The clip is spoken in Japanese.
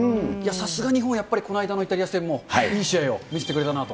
さすが日本、やっぱりこの間のイタリア戦もいい試合を見せてくれたなと。